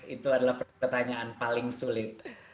itu adalah pertanyaan paling sulit